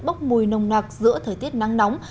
bốc mùi nông nạc giữa thời tiết nắng nóng